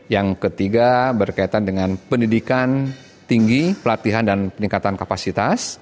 yang ketiga berkaitan dengan pendidikan tinggi pelatihan dan peningkatan kapasitas